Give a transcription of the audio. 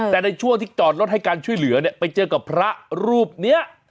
แต่ในช่วงที่จอดรถให้การช่วยเหลือเนี่ยไปเจอกับพระรูปนี้